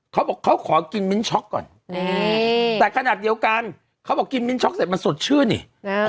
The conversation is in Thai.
เขาบอกเขาขอกินมิ้นช็อกก่อนแต่ขนาดเดียวกันเขาบอกกินมิ้นช็อกเสร็จมันสดชื่นนี่